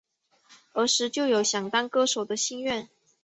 儿时就有想当歌手的心愿。